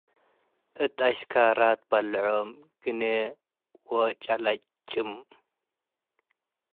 እት አሽካራት በልዖም ግ’ኔ ወጨለጭም